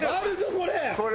これ。